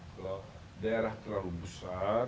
kalau daerah terlalu besar